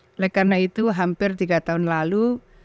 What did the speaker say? oleh karena itu hampir tiga tahun lalu